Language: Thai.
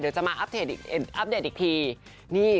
เดี๋ยวจะมาอัพเดทอีกที